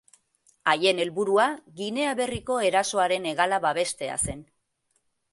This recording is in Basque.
Haien helburua, Ginea Berriko erasoaren hegala babestea zen.